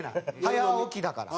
早起きだから。